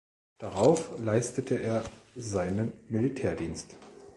Darauf leistete er seinen Militärdienst.